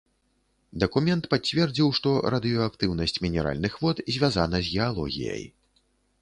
Дакумент пацвердзіў, што радыеактыўнасць мінеральных вод звязана з геалогіяй.